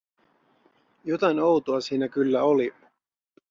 Jotain outoa siinnä kyllä oli.